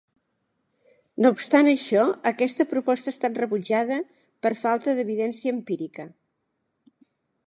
No obstant això, aquesta proposta ha estat rebutjada per falta d'evidència empírica.